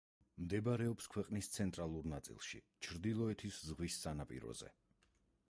მდებარეობს ქვეყნის ცენტრალურ ნაწილში, ჩრდილოეთის ზღვის სანაპიროზე.